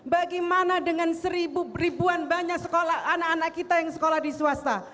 bagaimana dengan ribuan banyak sekolah anak anak kita yang sekolah di swasta